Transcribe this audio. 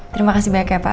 terima kasih banyak ya pak